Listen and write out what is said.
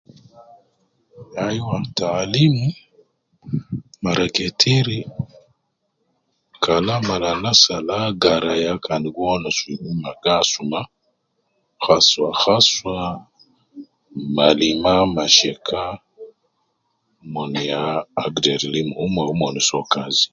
Ai wa taalim ,mara ketiri, kan aman anas al agara ya al gi wonus fi umma gi asuma, khaswa khaswa ,malima masheka mon ya agder lim umma wu min soo ka